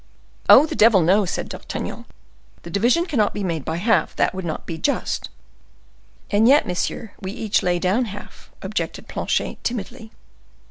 "Oh, the devil, no!" said D'Artagnan, "the division cannot be made by half; that would not be just." "And yet, monsieur, we each lay down half," objected Planchet, timidly.